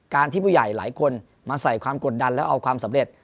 ที่ผู้ใหญ่หลายคนมาใส่ความกดดันแล้วเอาความสำเร็จ